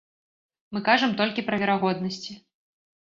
Мы кажам толькі пра верагоднасці.